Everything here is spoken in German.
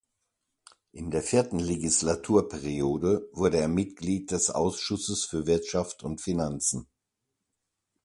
In der vierten Legislaturperiode wurde er Mitglied des Ausschusses für Wirtschaft und Finanzen.